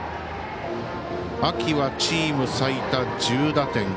秋はチーム最多、１０打点。